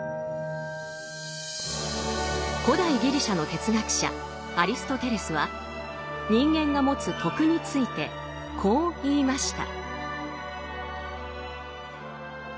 古代ギリシャの哲学者アリストテレスは人間が持つ「徳」についてこう言いました。